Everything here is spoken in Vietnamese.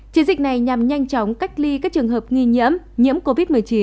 chiến dịch này nhằm nhanh chóng cách ly các trường hợp nghi nhiễm nhiễm covid một mươi chín